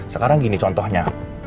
sekarang gini contohnya